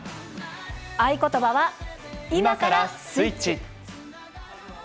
合言葉は、今からスイッチ。